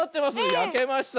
やけました。